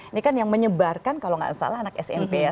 ini kan yang menyebarkan kalau nggak salah anak smp ya